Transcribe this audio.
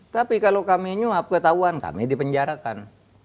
tapi kalau kami nyuap ketahuan kami dipenjarakan